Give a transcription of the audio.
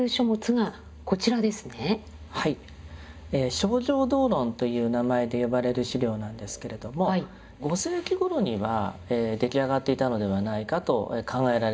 「清浄道論」という名前で呼ばれる資料なんですけれども５世紀頃には出来上がっていたのではないかと考えられている資料なんです。